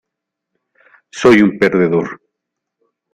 Soy un perdedor".